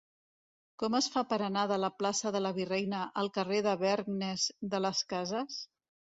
Com es fa per anar de la plaça de la Virreina al carrer de Bergnes de las Casas?